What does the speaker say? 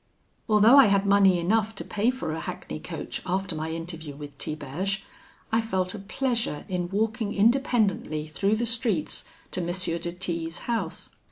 "Although I had money enough to pay for a hackney coach after my interview with Tiberge, I felt a pleasure in walking independently through the streets to M. de T 's house.